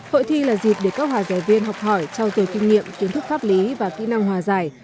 hội thi là dịp để các hòa giải viên học hỏi trao dồi kinh nghiệm kiến thức pháp lý và kỹ năng hòa giải